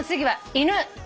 犬？